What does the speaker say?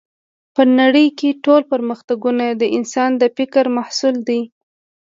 په نړۍ کې ټول پرمختګونه د انسان د فکر محصول دی